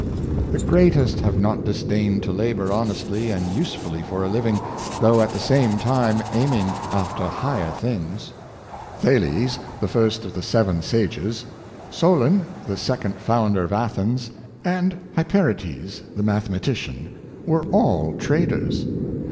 The o^reatest have not disdained to labor honesth' and usefully for a living, though at the same time aim ing after higher things. Thales, the first of the seven 360 Great Men of Business, sages, Solon, the second founder of Athens, and Hyper ates, the mathematician, were all traders.